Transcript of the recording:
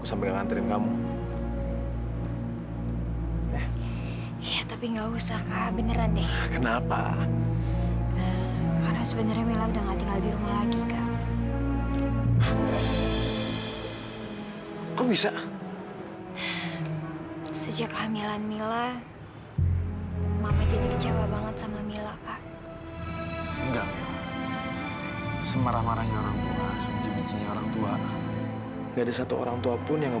sampai jumpa di video selanjutnya